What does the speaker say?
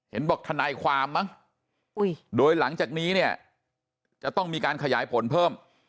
บอกทนายความมั้งโดยหลังจากนี้เนี่ยจะต้องมีการขยายผลเพิ่ม